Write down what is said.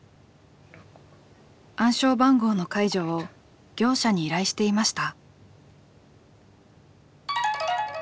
暗証番号の解除を業者に依頼していました。